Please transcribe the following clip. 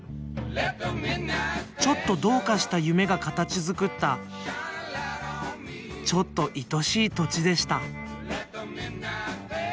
ちょっとどうかした夢が形づくったちょっといとしい土地でした。